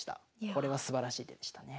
これはすばらしい手でしたね。